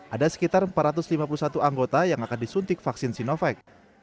ada sekitar empat ratus lima puluh satu anggota yang akan disuntik vaksin sinovac